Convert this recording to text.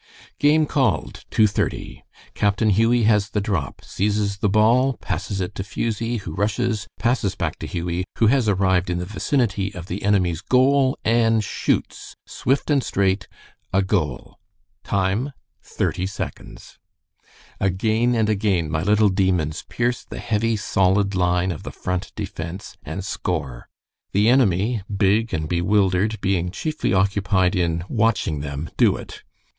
"Game called, 2:30; Captain Hughie has the drop; seizes the ball, passes it to Fusie, who rushes, passes back to Hughie, who has arrived in the vicinity of the enemy's goal, and shoots, swift and straight, a goal. Time, 30 seconds. "Again and again my little demons pierce the heavy, solid line of the Front defense, and score, the enemy, big and bewildered, being chiefly occupied in watching them do it.